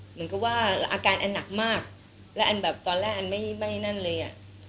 เหมือนกับว่าอาการอันหนักมากและอันแบบตอนแรกอันไม่ไม่นั่นเลยอ่ะ